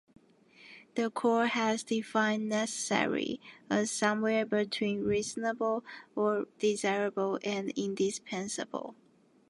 The court has defined "necessary" as somewhere between "reasonable" or "desirable" and "indispensable".